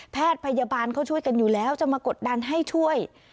แพทย์พยาบาลเขาช่วยกันอยู่แล้วจะมากดดันให้ช่วย